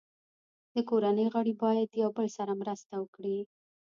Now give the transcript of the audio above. د کورنۍ غړي باید یو بل سره مرسته وکړي.